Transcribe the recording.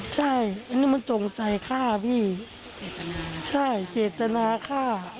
ใช่อันนี้มันจงใจฆ่าพี่ใช่เจตนาฆ่า